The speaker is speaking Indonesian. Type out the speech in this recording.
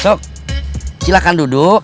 cuk silahkan duduk